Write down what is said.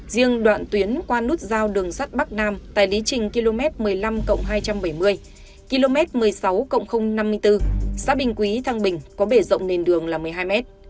riêng đoạn tuyến qua nút giao đường sắt bắc nam tại lý trình km một mươi năm hai trăm bảy mươi km một mươi sáu năm mươi bốn xã bình quý thăng bình có bể rộng nền đường là một mươi hai m